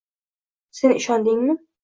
Sen ishondingmi?